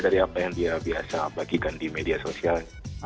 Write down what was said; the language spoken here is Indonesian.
dari apa yang dia biasa bagikan di media sosialnya